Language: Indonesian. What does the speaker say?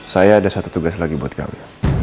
saya ada satu tugas lagi buat kami